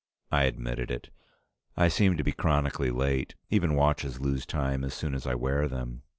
I admitted it. "I seem to be chronically late. Even watches lose time as soon as I wear them."